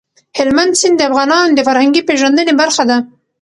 هلمند سیند د افغانانو د فرهنګي پیژندنې برخه ده.